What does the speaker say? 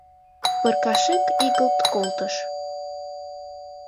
Пыркашик игылт колтыш.